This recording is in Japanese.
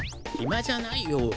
ひまじゃないよ。